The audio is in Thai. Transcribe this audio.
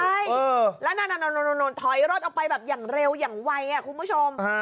เออและนานานทอยรถออกไปแบบอย่างเร็วอย่างวัยอ่ะคุณผู้ชมนะฮะ